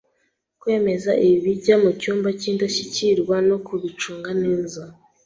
Kwemeza ibijya mu cyumba cy’indashyikirwa no kubicunga neza.